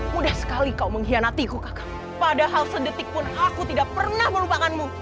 mudah sekali kau mengkhianatiku padahal sedetik pun aku tidak pernah melupakanmu